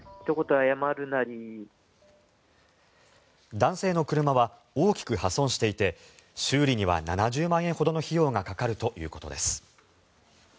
男性の車は大きく破損していて修理には７０万円ほどの費用がかかるということです。